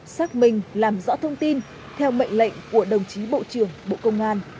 xác minh làm rõ thông tin theo mệnh lệnh của đồng chí bộ trưởng bộ công an